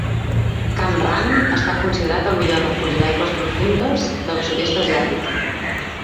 Cam Ranh està considerat el millor refugi d'aigües profundes del sud-est asiàtic.